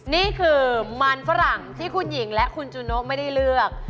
นี่คือมันฝรั่งที่คุณหญิงและคุณจูโนไม่ได้เลือก